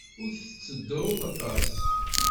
Ur tettedduḍ aṭas.